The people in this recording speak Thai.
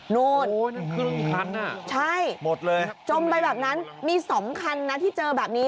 นู้นใช่จมไปแบบนั้นมีสองคันที่เจอแบบนี้